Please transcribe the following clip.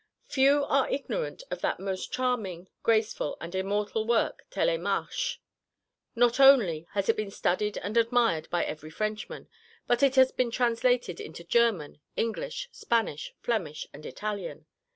Few are ignorant of that most charming, graceful, and immortal work Télémache. Not only has it been studied and admired by every Frenchman, but it has been translated into German, English, Spanish, Flemish, and Italian.